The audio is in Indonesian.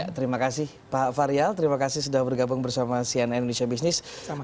terima kasih pak fahrial terima kasih sudah bergabung bersama sian indonesia business